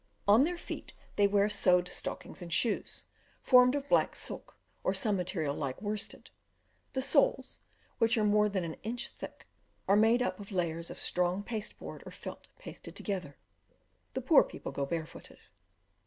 On their feet they wear sewed stockings and shoes, formed of black silk, or some material like worsted; the soles, which are more than an inch thick, are made up of layers of strong pasteboard or felt pasted together. The poor people go barefooted.